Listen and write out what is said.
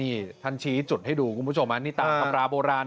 นี่ท่านชี้จุดให้ดูคุณผู้ชมนี่ตามตำราโบราณ